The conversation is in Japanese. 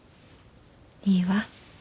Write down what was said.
いいわ。